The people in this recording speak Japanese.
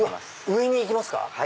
上にいきますか！